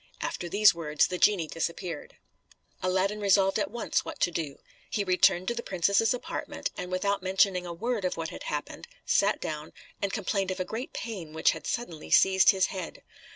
After these words the genie disappeared. Aladdin resolved at once what to do. He returned to the princess's apartment, and, without mentioning a word of what had happened, sat down, and complained of a great pain which had suddenly seized his head.